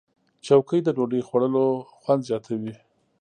چوکۍ د ډوډۍ خوړلو خوند زیاتوي.